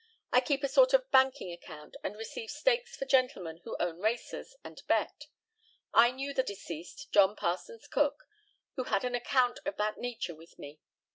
I keep a sort of banking account, and receive stakes for gentlemen who own racers and bet. I knew the deceased, John Parsons Cook, who had an account of that nature with me.